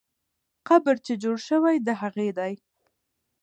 قبر چې جوړ سوی، د هغې دی.